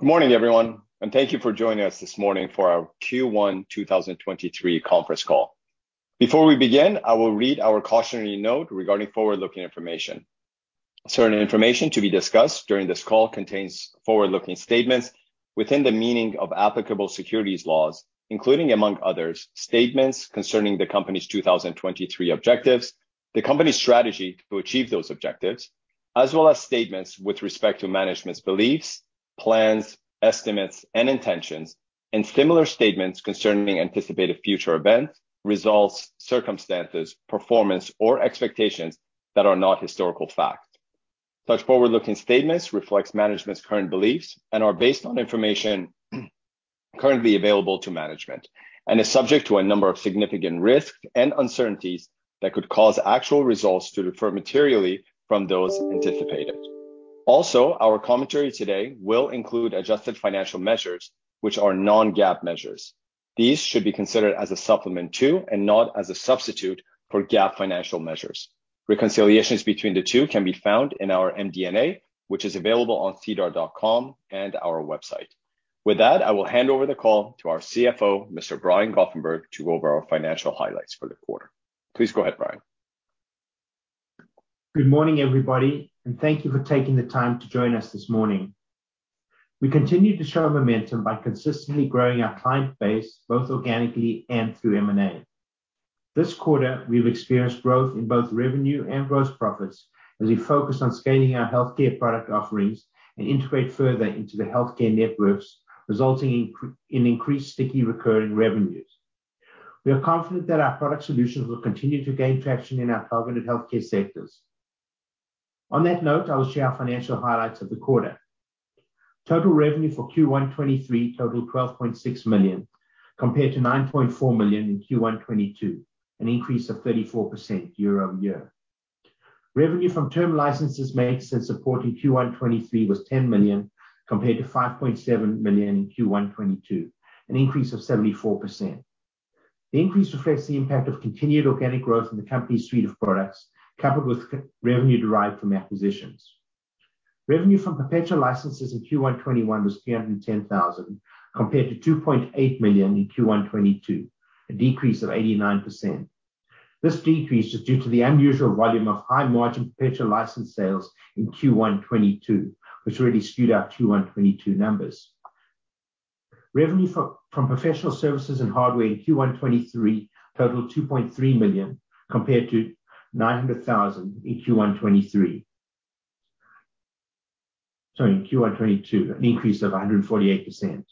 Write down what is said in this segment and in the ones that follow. Good morning, everyone. Thank you for joining us this morning for our Q1 2023 conference call. Before we begin, I will read our cautionary note regarding forward-looking information. Certain information to be discussed during this call contains forward-looking statements within the meaning of applicable securities laws, including, among others, statements concerning the company's 2023 objectives, the company's strategy to achieve those objectives, as well as statements with respect to management's beliefs, plans, estimates, and intentions, and similar statements concerning anticipated future events, results, circumstances, performance, or expectations that are not historical fact. Such forward-looking statements reflects management's current beliefs and are based on information currently available to management and is subject to a number of significant risks and uncertainties that could cause actual results to differ materially from those anticipated. Our commentary today will include adjusted financial measures, which are non-GAAP measures. These should be considered as a supplement to and not as a substitute for GAAP financial measures. Reconciliations between the two can be found in our MD&A, which is available on SEDAR.com and our website. With that, I will hand over the call to our CFO, Mr. Brian Goffenberg, to go over our financial highlights for the quarter. Please go ahead, Brian. Good morning, everybody, thank you for taking the time to join us this morning. We continue to show momentum by consistently growing our client base, both organically and through M&A. This quarter, we've experienced growth in both revenue and gross profits as we focus on scaling our healthcare product offerings and integrate further into the healthcare networks, resulting in increased sticky recurring revenues. We are confident that our product solutions will continue to gain traction in our targeted healthcare sectors. On that note, I will share our financial highlights of the quarter. Total revenue for Q1 2023 totaled 12.6 million, compared to 9.4 million in Q1 2022, an increase of 34% year-over-year. Revenue from term licenses made since reporting Q1 2023 was 10 million, compared to 5.7 million in Q1 2022, an increase of 74%. The increase reflects the impact of continued organic growth in the company's suite of products, coupled with uncertain derived from acquisitions. Revenue from perpetual licenses in Q1 2021 was 310,000, compared to 2.8 million in Q1 2022, a decrease of 89%. This decrease is due to the unusual volume of high-margin perpetual license sales in Q1 2022, which really skewed our Q1 2022 numbers. Revenue from professional services and hardware in Q1 2023 totaled 2.3 million, compared to 900,000 in Q1 2023. Sorry, in Q1 2022, an increase of 148%.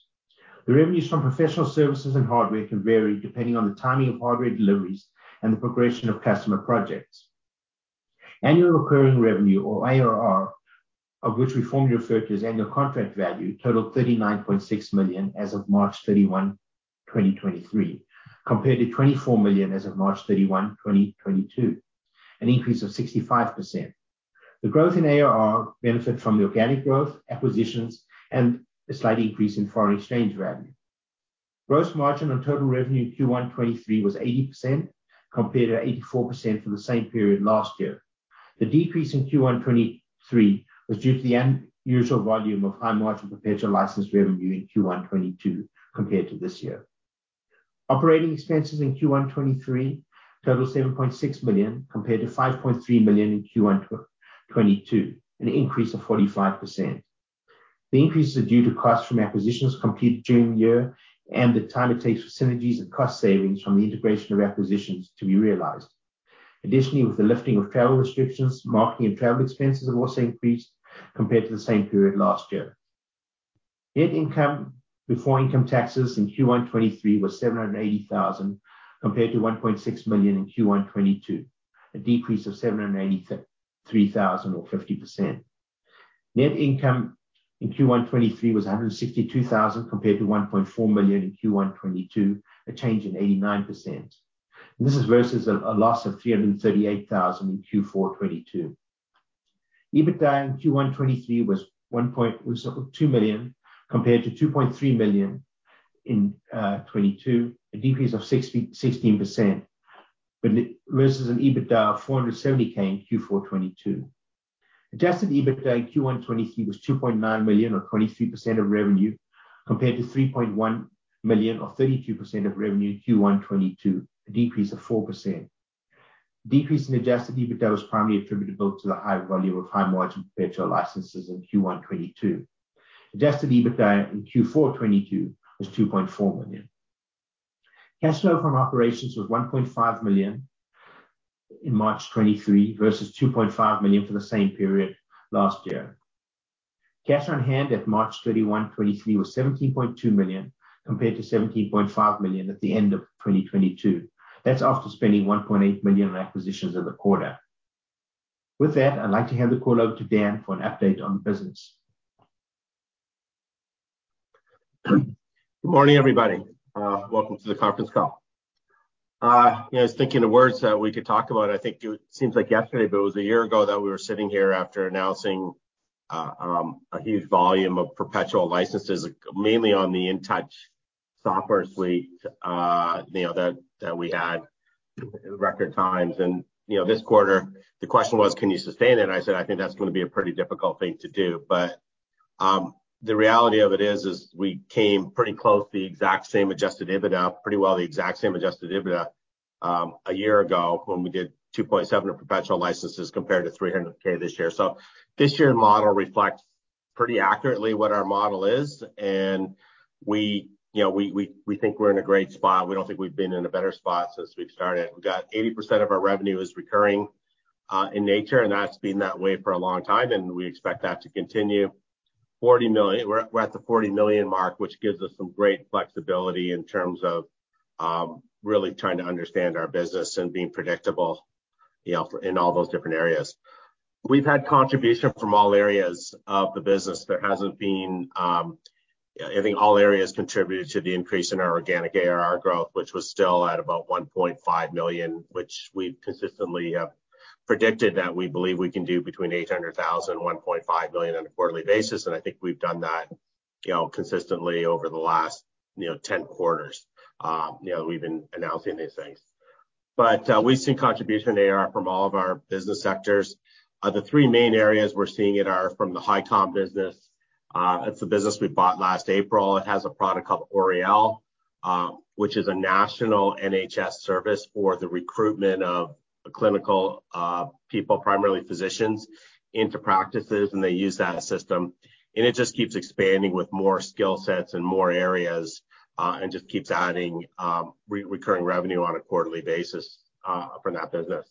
The revenues from professional services and hardware can vary depending on the timing of hardware deliveries and the progression of customer projects. Annual recurring revenue or ARR, of which we formerly referred to as annual contract value, totaled 39.6 million as of March 31, 2023, compared to 24 million as of March 31, 2022, an increase of 65%. The growth in ARR benefit from the organic growth, acquisitions, and a slight increase in foreign exchange revenue. Gross margin on total revenue in Q1 2023 was 80%, compared to 84% for the same period last year. The decrease in Q1 2023 was due to the unusual volume of high-margin perpetual license revenue in Q1 2022 compared to this year. Operating expenses in Q1 2023 totaled 7.6 million, compared to 5.3 million in Q1 2022, an increase of 45%. The increases are due to costs from acquisitions completed during the year and the time it takes for synergies and cost savings from the integration of acquisitions to be realized. With the lifting of travel restrictions, marketing and travel expenses have also increased compared to the same period last year. Net income before income taxes in Q1 2023 was 780,000, compared to 1.6 million in Q1 2022, a decrease of 783,000 or 50%. Net income in Q1 2023 was 162,000, compared to 1.4 million in Q1 2022, a change in 89%. This is versus a loss of 338,000 in Q4 2022. EBITDA in Q1 2023 was $2 million, compared to $2.3 million in 2022, a decrease of 60-16%. Versus an EBITDA of $470K in Q4 2022. Adjusted EBITDA in Q1 2023 was $2.9 million or 23% of revenue, compared to $3.1 million or 32% of revenue in Q1 2022, a decrease of 4%. Decrease in Adjusted EBITDA was primarily attributable to the high volume of high margin perpetual licenses in Q1 2022. Adjusted EBITDA in Q4 2022 was $2.4 million. Cash flow from operations was $1.5 million in March 2023 versus $2.5 million for the same period last year. Cash on hand at March 31, 2023 was $17.2 million, compared to $17.5 million at the end of 2022. That's after spending 1.8 million on acquisitions in the quarter. With that, I'd like to hand the call over to Dan for an update on the business. Good morning, everybody. welcome to the conference call. you know, I was thinking of words that we could talk about. I think it seems like yesterday, but it was a year ago that we were sitting here after announcing a huge volume of perpetual licenses, mainly on the InTouch- Software suite, you know, that we had record times. You know, this quarter the question was, "Can you sustain it?" I said, "I think that's gonna be a pretty difficult thing to do." The reality of it is, we came pretty close to the exact same Adjusted EBITDA, pretty well the exact same Adjusted EBITDA, a year ago when we did 2.7 million in perpetual licenses compared to 300,000 this year. This year's model reflects pretty accurately what our model is. We, you know, we think we're in a great spot. We don't think we've been in a better spot since we've started. We got 80% of our revenue is recurring in nature, and that's been that way for a long time, and we expect that to continue. We're at the 40 million mark, which gives us some great flexibility in terms of really trying to understand our business and being predictable, you know, for, in all those different areas. We've had contribution from all areas of the business. There hasn't been. I think all areas contributed to the increase in our organic ARR growth, which was still at about 1.5 million, which we consistently have predicted that we believe we can do between 800,000-1.5 million on a quarterly basis. I think we've done that, you know, consistently over the last, you know, 10 quarters, you know, we've been announcing these things. We've seen contribution ARR from all of our business sectors. The three main areas we're seeing it are from the Hicom business. It's a business we bought last April. It has a product called Oriel, which is a national NHS service for the recruitment of clinical people, primarily physicians, into practices, and they use that system. It just keeps expanding with more skill sets and more areas, and just keeps adding recurring revenue on a quarterly basis from that business.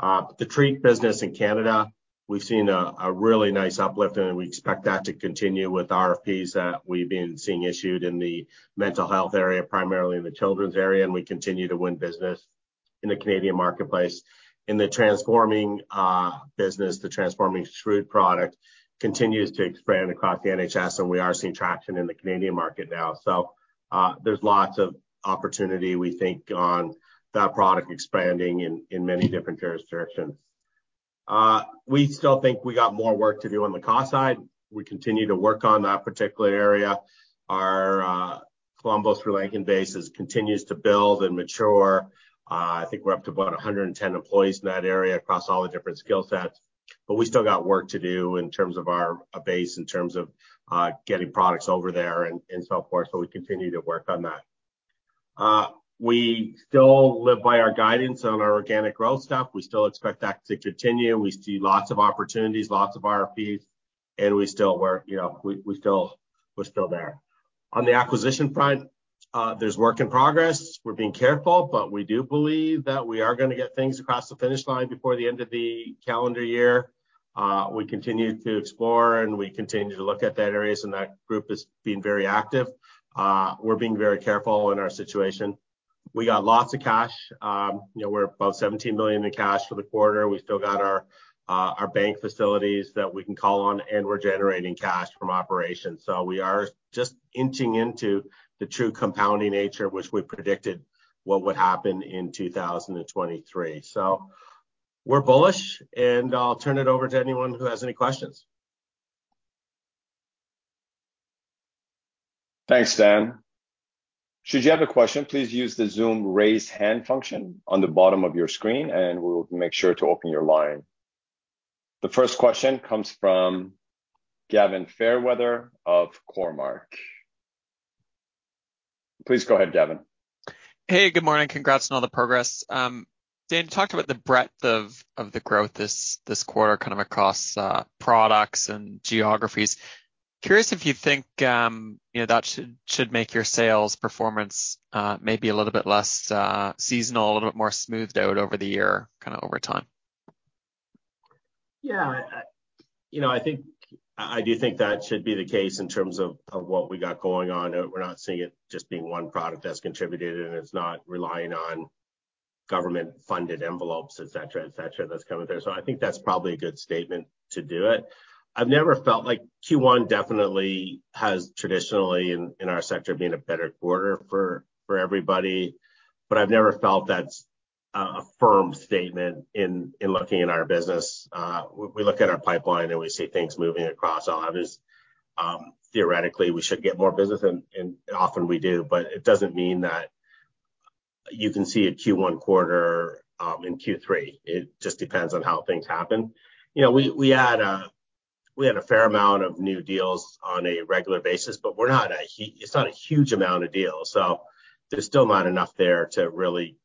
The TREAT business in Canada, we've seen a really nice uplift, and we expect that to continue with RFPs that we've been seeing issued in the mental health area, primarily in the children's area, and we continue to win business in the Canadian marketplace. In the Transforming Systems business, the SHREWD product continues to expand across the NHS, and we are seeing traction in the Canadian market now. There's lots of opportunity, we think, on that product expanding in many different jurisdictions. We still think we got more work to do on the cost side. We continue to work on that particular area. Our Colombo, Sri Lankan base is continues to build and mature. I think we're up to about 110 employees in that area across all the different skill sets, but we still got work to do in terms of our base, in terms of getting products over there and so forth, so we continue to work on that. We still live by our guidance on our organic growth stuff. We still expect that to continue. We see lots of opportunities, lots of RFPs, and we still work. You know, we still, we're still there. On the acquisition front, there's work in progress. We're being careful, but we do believe that we are gonna get things across the finish line before the end of the calendar year. We continue to explore, and we continue to look at that areas, and that group is being very active. We're being very careful in our situation. We got lots of cash. You know, we're above 17 million in cash for the quarter. We've still got our bank facilities that we can call on, and we're generating cash from operations. We are just inching into the true compounding nature, which we predicted what would happen in 2023. We're bullish, and I'll turn it over to anyone who has any questions. Thanks, Dan. Should you have a question, please use the Zoom raise hand function on the bottom of your screen, and we will make sure to open your line. The first question comes from Gavin Fairweather of Cormark. Please go ahead, Gavin. Hey, good morning. Congrats on all the progress. Dan, you talked about the breadth of the growth this quarter kind of across products and geographies. Curious if you think, you know, that should make your sales performance, maybe a little bit less seasonal, a little bit more smoothed out over the year, kinda over time. Yeah. You know, I think, I do think that should be the case in terms of what we got going on, and we're not seeing it just being 1 product that's contributed, and it's not relying on government-funded envelopes, et cetera, et cetera, that's coming through. I think that's probably a good statement to do it. I've never felt like Q1 definitely has traditionally in our sector been a better quarter for everybody, but I've never felt that's a firm statement in looking at our business. We look at our pipeline, and we see things moving across. Obviously, theoretically, we should get more business, and often we do, but it doesn't mean that you can see a Q1 quarter in Q3. It just depends on how things happen. You know, we had a fair amount of new deals on a regular basis, but we're not a huge amount of deals. There's still not enough there to really,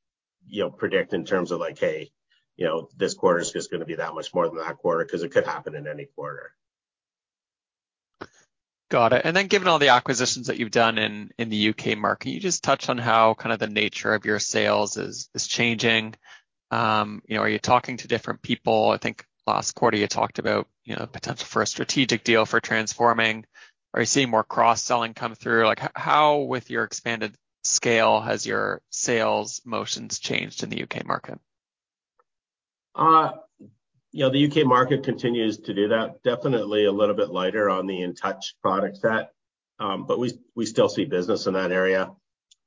you know, predict in terms of like, hey, you know, this quarter's just gonna be that much more than that quarter 'cause it could happen in any quarter. Got it. Given all the acquisitions that you've done in the U.K. market, can you just touch on how kinda the nature of your sales is changing? Are you talking to different people? I think last quarter you talked about potential for a strategic deal for Transforming. Are you seeing more cross-selling come through? How with your expanded scale has your sales motions changed in the U.K. market? You know, the U.K. market continues to do that. Definitely a little bit lighter on the Intouch product set, but we still see business in that area.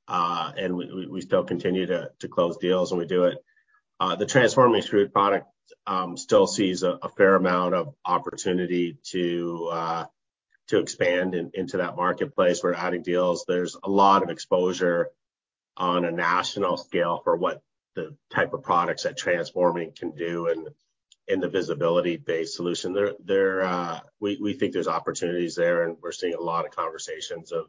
We still continue to close deals when we do it. The Transforming Systems SHREWD product still sees a fair amount of opportunity to expand into that marketplace. We're adding deals. There's a lot of exposure on a national scale for what the type of products that Transforming Systems can do and in the visibility-based solution. There, we think there's opportunities there, and we're seeing a lot of conversations of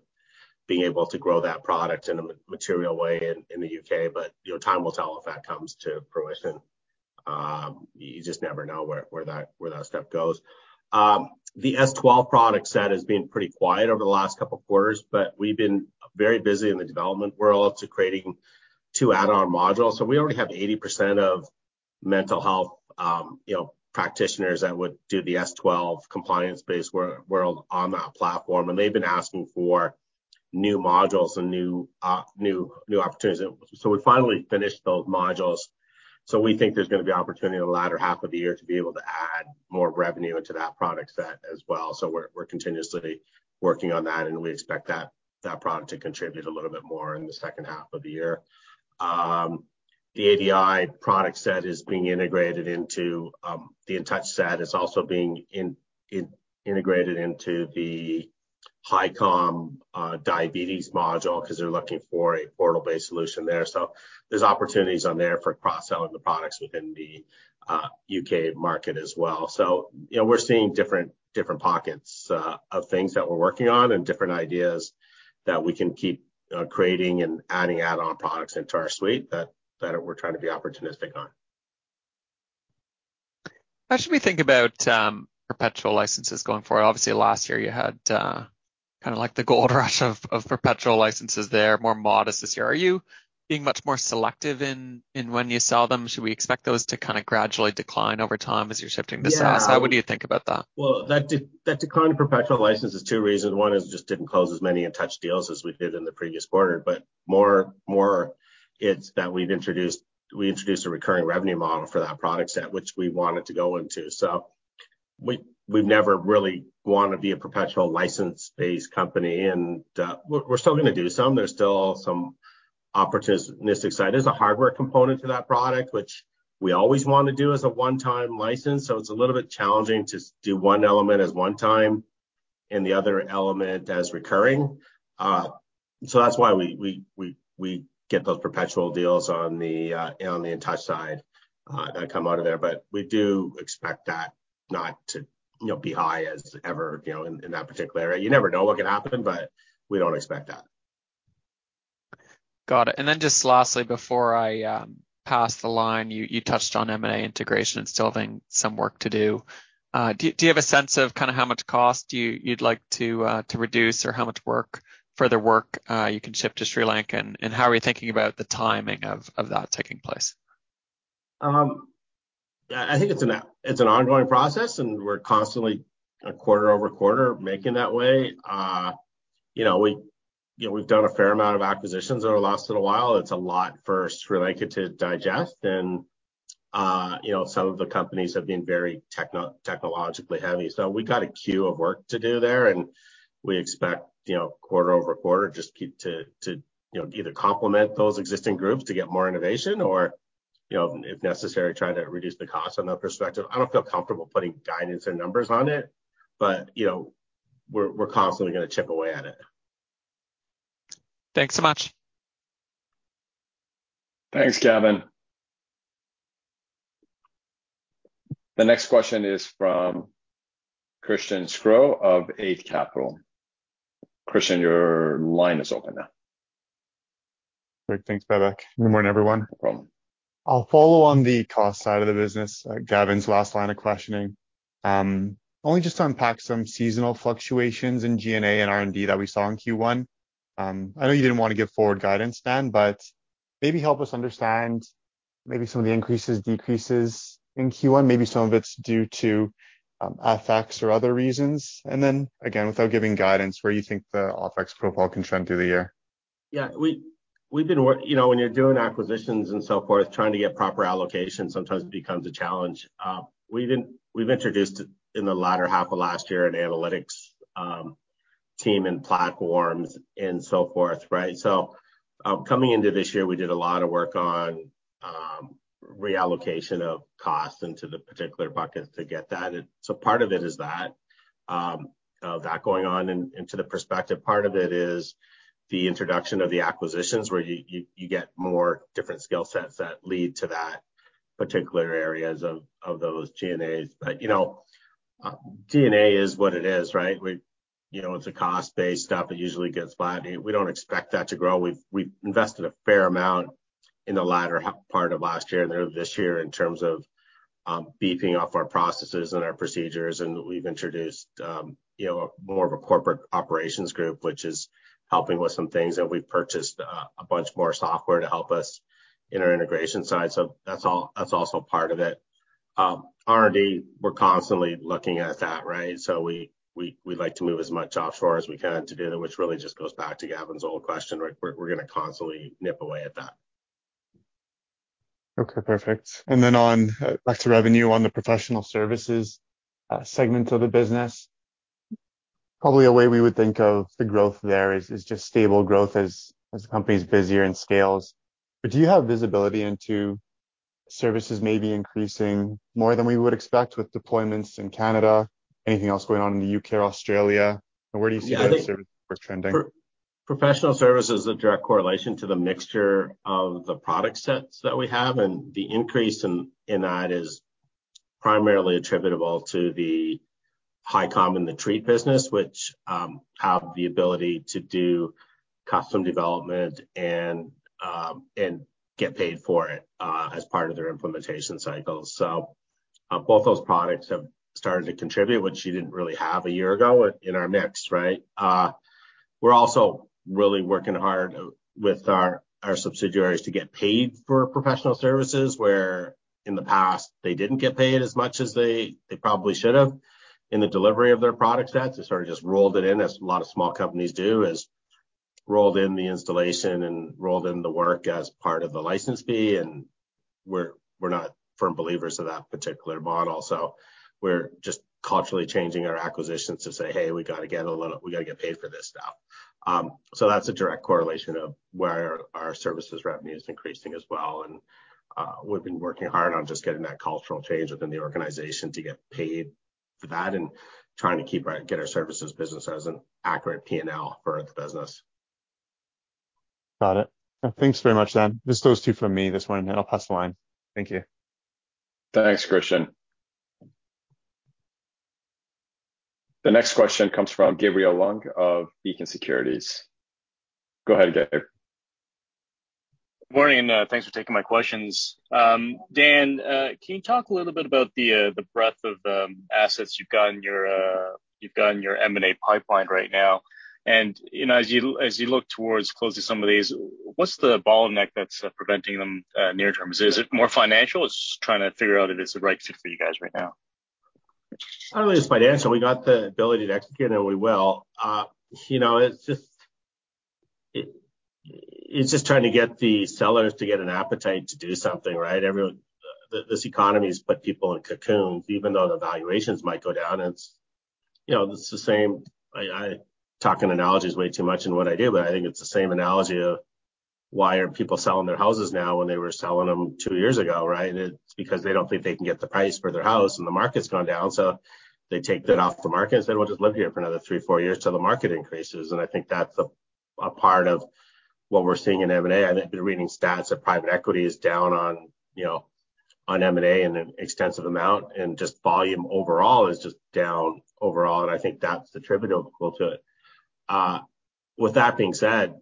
being able to grow that product in a material way in the U.K. You know, time will tell if that comes to fruition. You just never know where that stuff goes. The S12 product set has been pretty quiet over the last couple quarters, but we've been very busy in the development world to creating two add-on modules. We already have 80% of mental health, you know, practitioners that would do the S12 compliance-based world on that platform, and they've been asking for new modules and new opportunities. We finally finished those modules, so we think there's gonna be opportunity in the latter half of the year to be able to add more revenue into that product set as well. We're continuously working on that, and we expect that product to contribute a little bit more in the second half of the year. The ADI product set is being integrated into the Intouch set. It's also being integrated into the Hicom diabetes module 'cause they're looking for a portal-based solution there. There's opportunities on there for cross-selling the products within the U.K. market as well. You know, we're seeing different pockets of things that we're working on and different ideas that we can keep creating and adding add-on products into our suite that we're trying to be opportunistic on. How should we think about perpetual licenses going forward? Obviously, last year you had kinda like the gold rush of perpetual licenses there. More modest this year. Are you being much more selective in when you sell them? Should we expect those to kinda gradually decline over time as you're shifting to SaaS? Yeah. How, what do you think about that? Well, that decline in perpetual license is two reasons. One is just didn't close as many Intouch deals as we did in the previous quarter, but more, it's that we introduced a recurring revenue model for that product set which we wanted to go into. We've never really wanna be a perpetual license-based company. We're still gonna do some. There's still some opportunistic side. There's a hardware component to that product which we always want to do as a one-time license, so it's a little bit challenging to do one element as one time and the other element as recurring. That's why we get those perpetual deals on the Intouch side that come out of there. We do expect that not to, you know, be high as ever, you know, in that particular area. You never know what can happen, but we don't expect that. Got it. Then just lastly before I pass the line, you touched on M&A integration and still having some work to do. Do you have a sense of kinda how much cost you'd like to reduce or how much work, further work, you can ship to Sri Lanka? How are you thinking about the timing of that taking place? Yeah, I think it's an ongoing process. We're constantly a quarter-over-quarter making that way. you know, we, you know, we've done a fair amount of acquisitions over the last little while. It's a lot for Vitalhub to digest and, you know, some of the companies have been very technologically heavy. We got a queue of work to do there. We expect, you know, quarter-over-quarter just keep to, you know, either complement those existing groups to get more innovation or, you know, if necessary, try to reduce the cost on that perspective. I don't feel comfortable putting guidance or numbers on it. you know, we're constantly gonna chip away at it. Thanks so much. Thanks, Gavin. The next question is from Christian Sgro of Eight Capital. Christian, your line is open now. Great. Thanks, Babak. Good morning, everyone. No problem. I'll follow on the cost side of the business, Gavin's last line of questioning. Only just to unpack some seasonal fluctuations in G&A and R&D that we saw in Q1. I know you didn't wanna give forward guidance, Dan, but maybe help us understand maybe some of the increases, decreases in Q1. Maybe some of it's due to FX or other reasons. Again, without giving guidance, where you think the off FX profile can trend through the year. Yeah. We've been, you know, when you're doing acquisitions and so forth, trying to get proper allocation sometimes becomes a challenge. We've introduced in the latter half of last year an analytics team and platforms and so forth, right? Coming into this year, we did a lot of work on reallocation of costs into the particular buckets to get that. Part of it is that going on into the perspective. Part of it is the introduction of the acquisitions, where you get more different skill sets that lead to that particular areas of those G&As. You know, G&A is what it is, right? We, you know, it's a cost-based stuff. It usually gets flat. We don't expect that to grow. We've invested a fair amount in the latter part of last year and then this year in terms of beefing up our processes and our procedures, we've introduced, you know, more of a corporate operations group, which is helping with some things. We've purchased a bunch more software to help us in our integration side. That's all, that's also part of it. R&D, we're constantly looking at that, right? We like to move as much offshore as we can to do that, which really just goes back to Gavin's old question. We're gonna constantly nip away at that. Okay, perfect. Then on, back to revenue on the professional services, segment of the business. Probably a way we would think of the growth there is just stable growth as the company's busier and scales. Do you have visibility into services maybe increasing more than we would expect with deployments in Canada? Anything else going on in the U.K. or Australia? Where do you see- Yeah. That service trending? Professional service is a direct correlation to the mixture of the product sets that we have. The increase in that is primarily attributable to the Hicom and the TREAT business, which have the ability to do custom development and get paid for it as part of their implementation cycles. Both those products have started to contribute, which you didn't really have a year ago in our mix, right? We're also really working hard with our subsidiaries to get paid for professional services, where in the past, they didn't get paid as much as they probably should have in the delivery of their product sets. They sort of just rolled it in, as a lot of small companies do, is rolled in the installation and rolled in the work as part of the license fee. We're not firm believers of that particular model. We're just culturally changing our acquisitions to say, "Hey, we gotta get paid for this stuff." That's a direct correlation of where our services revenue is increasing as well. We've been working hard on just getting that cultural change within the organization to get paid for that and trying to get our services business as an accurate P&L for the business. Got it. Thanks very much, Dan. Just those two from me this morning, and I'll pass the line. Thank you. Thanks, Christian. The next question comes from Gabriel Leung of Beacon Securities. Go ahead, Gabriel. Morning, thanks for taking my questions. Dan, can you talk a little bit about the breadth of assets you've got in your M&A pipeline right now? You know, as you, as you look towards closing some of these, what's the bottleneck that's preventing them near term? Is it more financial, or just trying to figure out if it's the right fit for you guys right now? I don't think it's financial. We got the ability to execute, we will. You know, it's just trying to get the sellers to get an appetite to do something, right? This economy has put people in cocoons, even though the valuations might go down. It's, you know, it's the same. I talk in analogies way too much in what I do, but I think it's the same analogy of why aren't people selling their houses now when they were selling them two years ago, right? It's because they don't think they can get the price for their house, and the market's gone down. They take that off the market and say, "We'll just live here for another three or four years till the market increases." I think that's a part of what we're seeing in M&A. I've been reading stats of private equity is down on, you know, on M&A in an extensive amount, and just volume overall is just down overall. I think that's attributable to it. With that being said,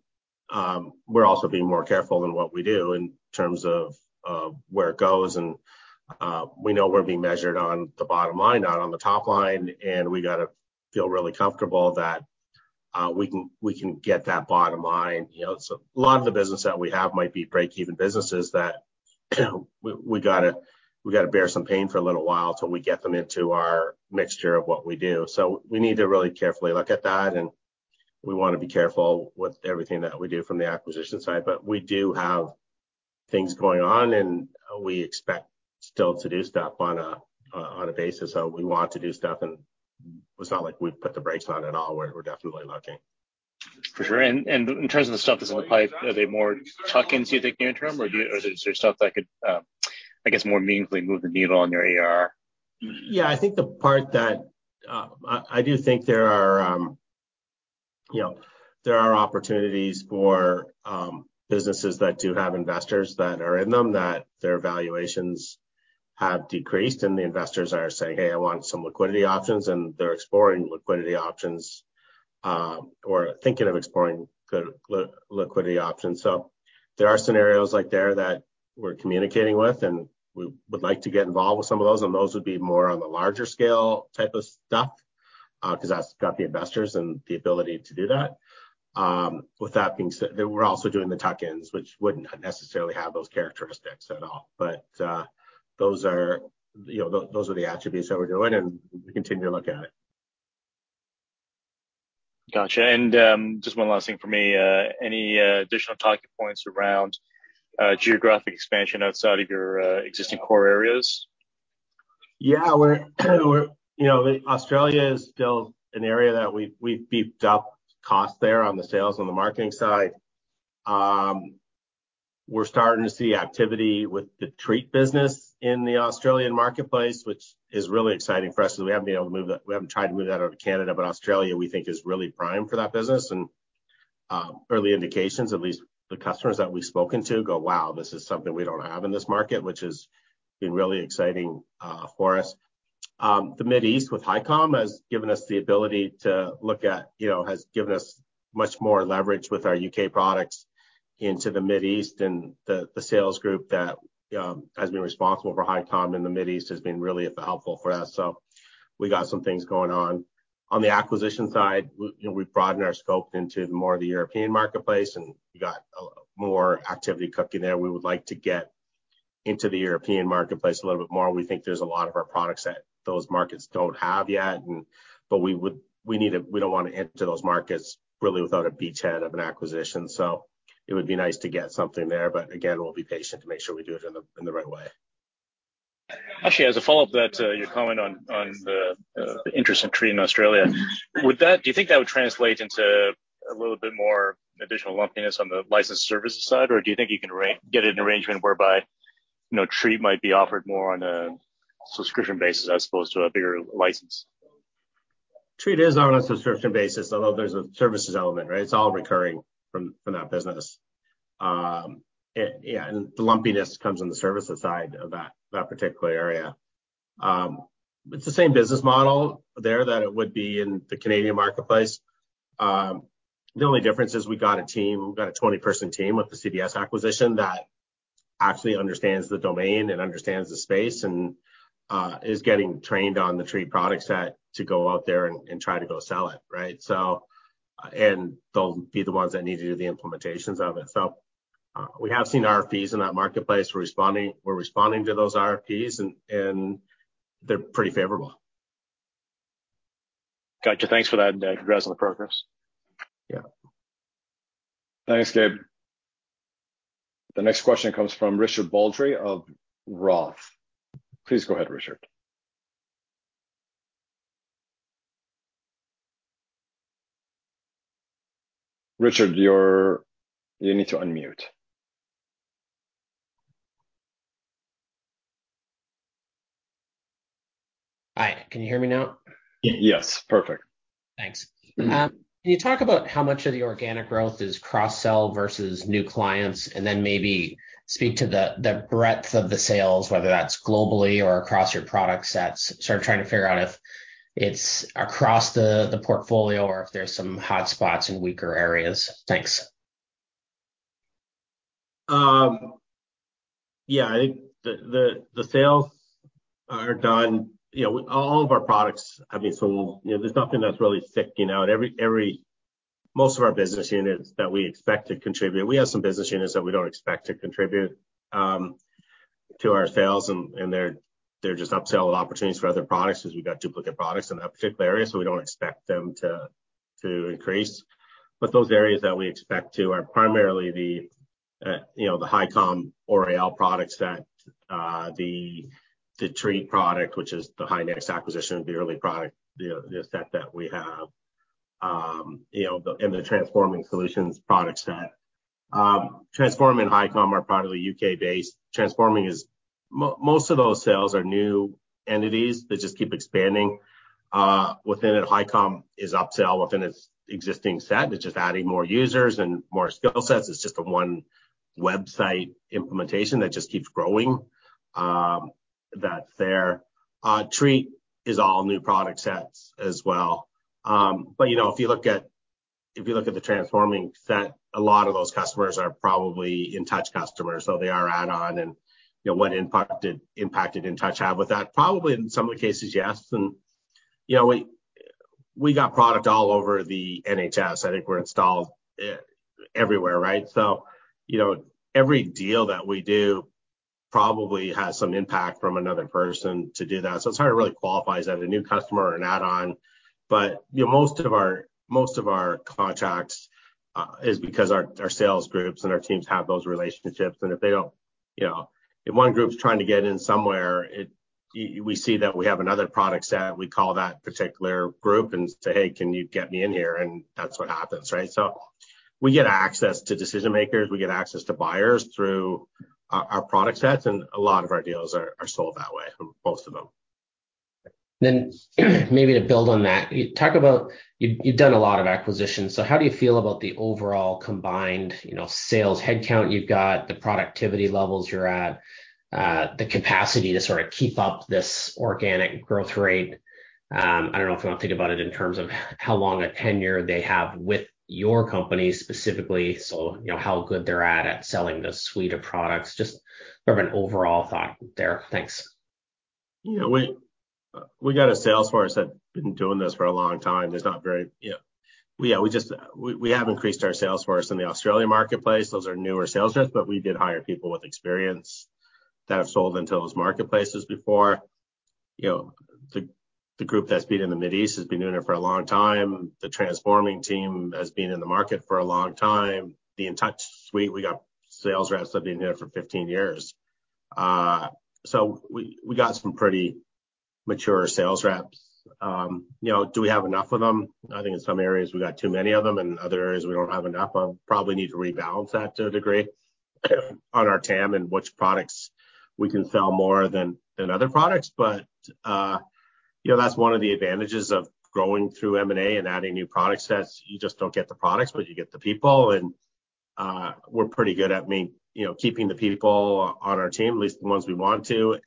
we're also being more careful in what we do in terms of where it goes. We know we're being measured on the bottom line, not on the top line, and we gotta feel really comfortable that we can get that bottom line. You know, it's a lot of the business that we have might be break-even businesses that we gotta bear some pain for a little while till we get them into our mixture of what we do. We need to really carefully look at that, and we wanna be careful with everything that we do from the acquisition side. We do have things going on, and we expect still to do stuff on a basis. We want to do stuff, and it's not like we've put the brakes on at all. We're definitely looking. For sure. In terms of the stuff that's in the pipe, are they more tuck-ins you think near term? Or is there stuff that could, I guess, more meaningfully move the needle on your ARR? Yeah. I think the part that, I do think there are, you know, there are opportunities for, businesses that do have investors that are in them, that their valuations have decreased, and the investors are saying, "Hey, I want some liquidity options," and they're exploring liquidity options, or thinking of exploring liquidity options. There are scenarios like there that we're communicating with, and we would like to get involved with some of those, and those would be more on the larger scale type of stuff, 'cause that's got the investors and the ability to do that. With that being said, we're also doing the tuck-ins, which wouldn't necessarily have those characteristics at all. Those are, you know, those are the attributes that we're doing, and we continue to look at it. Gotcha. Just one last thing for me. Any additional talking points around geographic expansion outside of your existing core areas? Yeah. We're, you know, Australia is still an area that we've beefed up cost there on the sales and the marketing side. We're starting to see activity with the TREAT business in the Australian marketplace, which is really exciting for us as we haven't tried to move that out of Canada. Australia, we think, is really prime for that business. Early indications, at least the customers that we've spoken to, go, "Wow, this is something we don't have in this market," which has been really exciting for us. The Mid East with Hicom has given us the ability to look at, you know, has given us much more leverage with our U.K. products into the Mid East. The sales group that has been responsible for Hicom in the Mid East has been really helpful for us. We got some things going on. On the acquisition side, we, you know, we've broadened our scope into more of the European marketplace. We got more activity cooking there. We would like to get into the European marketplace a little bit more. We think there's a lot of our products that those markets don't have yet. We don't wanna enter those markets really without a beachhead of an acquisition. It would be nice to get something there. Again, we'll be patient to make sure we do it in the right way. Actually, as a follow-up that, you're calling on the interest in TREAT in Australia, do you think that would translate into a little bit more additional lumpiness on the licensed services side, or do you think you can get an arrangement whereby, you know, TREAT might be offered more on a subscription basis as opposed to a bigger license? TREAT is on a subscription basis, although there's a services element, right? It's all recurring from that business. yeah, and the lumpiness comes on the services side of that particular area. It's the same business model there that it would be in the Canadian marketplace. The only difference is we got a team, we got a 20-person team with the CDS acquisition that actually understands the domain and understands the space and is getting trained on the TREAT product set to go out there and try to go sell it, right? They'll be the ones that need to do the implementations of it. We have seen RFPs in that marketplace. We're responding to those RFPs and they're pretty favorable. Gotcha. Thanks for that and the progress on the progress. Yeah. Thanks, Gabe. The next question comes from Richard Baldry of ROTH. Please go ahead Richard. Richard, you need to unmute. Hi. Can you hear me now? Yes. Perfect. Thanks. Can you talk about how much of the organic growth is cross-sell versus new clients? Maybe speak to the breadth of the sales, whether that's globally or across your product sets. Sort of trying to figure out if it's across the portfolio or if there's some hotspots and weaker areas. Thanks. Yeah. I think the sales are done, you know, all of our products have been sold. You know, there's nothing that's really sticking out. Most of our business units that we expect to contribute. We have some business units that we don't expect to contribute to our sales, and they're just upsell opportunities for other products 'cause we've got duplicate products in that particular area, so we don't expect them to increase. Those areas that we expect to are primarily the, you know, the Hicom or AL products that the TREAT product, which is the HI Next acquisition, the Oriel product, the set that we have, the Transforming Systems product set. Transforming and Hicom are part of the U.K. base. Transforming is most of those sales are new entities. They just keep expanding within it. Hicom is upsell within its existing set. It's just adding more users and more skill sets. It's just the one website implementation that just keeps growing that's there. TREAT is all new product sets as well. You know, if you look at the Transforming set, a lot of those customers are probably InTouch customers, so they are add-on. You know, what impact did InTouch have with that? Probably in some of the cases, yes. You know, we got product all over the NHS. I think we're installed everywhere, right? You know, every deal that we do probably has some impact from another person to do that, so it's hard to really qualify as either a new customer or an add-on. You know, most of our, most of our contracts, is because our sales groups and our teams have those relationships. If they don't, you know, if one group's trying to get in somewhere, We see that we have another product set, we call that particular group and say, "Hey, can you get me in here?" That's what happens, right? We get access to decision-makers, we get access to buyers through our product sets, and a lot of our deals are sold that way, most of them. Maybe to build on that, you talk about you've done a lot of acquisitions. How do you feel about the overall combined, you know, sales headcount you've got, the productivity levels you're at, the capacity to sort of keep up this organic growth rate? I don't know if you want to think about it in terms of how long a tenure they have with your company specifically, so you know, how good they're at selling the suite of products. Just sort of an overall thought there. Thanks. You know, we got a sales force that's been doing this for a long time. There's not very, you know. We have increased our sales force in the Australia marketplace. Those are newer sales reps, we did hire people with experience that have sold into those marketplaces before. You know, the group that's been in the Middle East has been doing it for a long time. The Transforming team has been in the market for a long time. The Intouch suite we got sales reps that have been here for 15 years. We got some pretty mature sales reps. You know, do we have enough of them? I think in some areas we got too many of them other areas we don't have enough of. Probably need to rebalance that to a degree on our TAM and which products we can sell more than other products. you know, that's one of the advantages of growing through M&A and adding new product sets. You just don't get the products, but you get the people. I mean, you know, keeping the people on our team at least the ones we want to.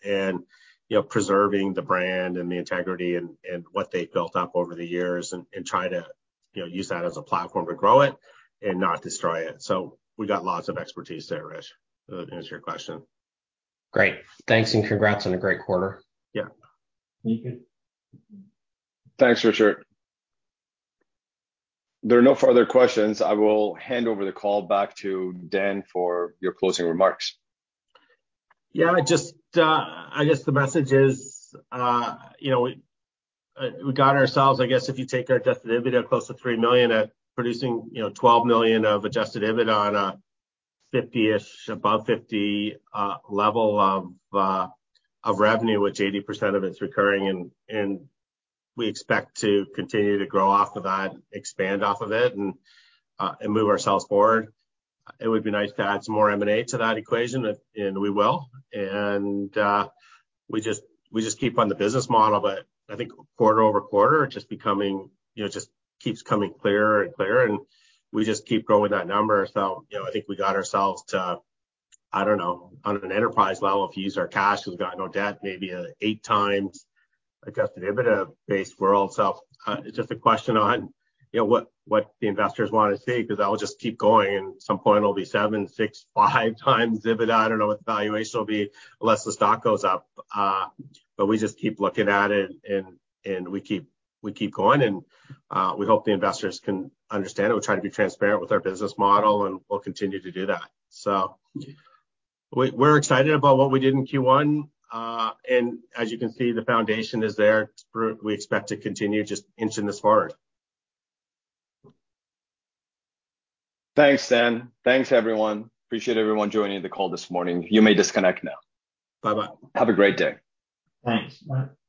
you know, preserving the brand and the integrity and what they've built up over the years and try to, you know, use that as a platform to grow it and not destroy it. We got lots of expertise there, Rich, to answer your question. Great. Thanks, and congrats on a great quarter. Yeah. Thank you. Thanks Richard. If there are no further questions, I will hand over the call back to Dan for your closing remarks. Yeah. Just, I guess the message is, you know, we got ourselves, I guess if you take our Adjusted EBITDA close to 3 million at producing, you know, 12 million of Adjusted EBITDA on a 50-ish, above 50, level of revenue which 80% of it's recurring. We expect to continue to grow off of that, expand off of it, and move ourselves forward. It would be nice to add some more M&A to that equation, and we will. We just keep on the business model. I think quarter over quarter it's just becoming, you know, it just keeps coming clearer and clearer, and we just keep growing that number. You know, I think we got ourselves to, I don't know, on an enterprise level, if you use our cash, we've got no debt, maybe an 8x Adjusted EBITDA base world. It's just a question on, you know, what the investors wanna see, 'cause that will just keep going, and some point it'll be 7x, 6x, 5x EBITDA. I don't know what the valuation will be unless the stock goes up. We just keep looking at it and we keep going and we hope the investors can understand it. We're trying to be transparent with our business model, and we'll continue to do that. We're excited about what we did in Q1. As you can see, the foundation is there. We expect to continue just inching this forward. Thanks Dan. Thanks everyone. Appreciate everyone joining the call this morning. You may disconnect now. Bye-bye. Have a great day. Thanks. Bye.